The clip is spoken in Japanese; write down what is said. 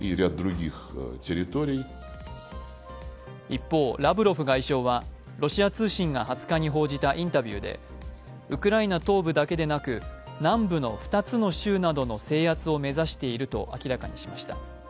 一方、ラブロフ外相はロシア通信が２０日に報じたインタビューでウクライナ東部だけでなく南部の２つの州などの制圧を目指していると明らかにしました。